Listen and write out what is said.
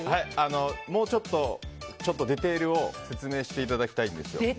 もうちょっとディテールを説明していただきたいんです。